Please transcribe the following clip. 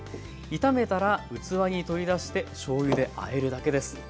炒めたら器に取り出してしょうゆであえるだけです。